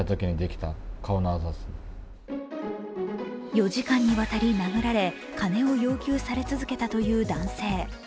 ４時間にわたり殴られ金を要求され続けたという男性。